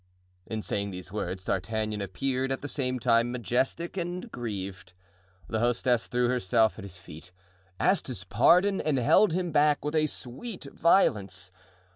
In saying these words D'Artagnan appeared at the same time majestic and grieved. The hostess threw herself at his feet, asked his pardon and held him back with a sweet violence.